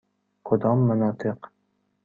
کدام مناطق؟